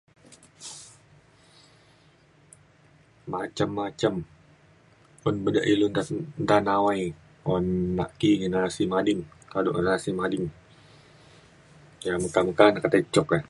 Macem macem peng ben ilu da nawai un naki generasi madin kadu' generasi madin kira [unintelligible] cuk ke.